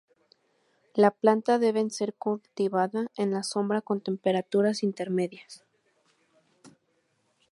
La planta deben ser cultivada en la sombra con temperaturas intermedias.